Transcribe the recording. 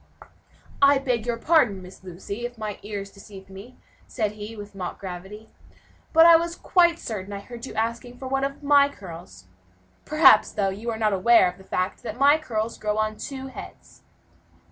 "I beg your pardon, Miss Lucy, if my ears deceived me," said he, with mock gravity, "but I was quite certain I heard you asking for one of my curls. Perhaps, though, you are not aware of the fact that my curls grow on two heads."